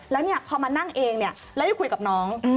แล้วเนี่ยพอมานั่งเองเนี่ยแล้วได้คุยกับน้อง